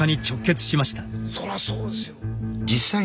そらそうですよ。